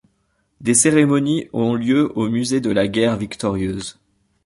Des cérémonies ont lieu au Musée de la guerre victorieuse.